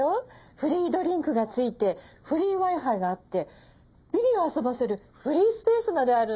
フリードリンクが付いてフリーＷｉ−Ｆｉがあってビビを遊ばせるフリースペースまであるんです。